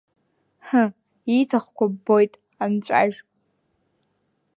Ҳы, ииҭахқәоу ббоит, анҵәажә!